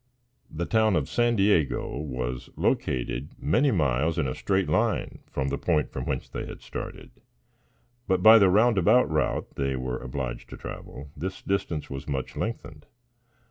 The town of San Diego was located many miles in a straight line from the point from whence they had started, but, by the round about route they were obliged to travel, this distance was much lengthened.